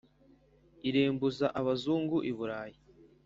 Irembuza abazungu I Burayi